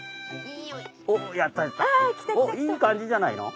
いい感じじゃないの？